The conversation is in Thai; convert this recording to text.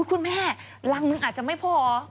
คุณแม่รังนึงอาจจะไม่พอ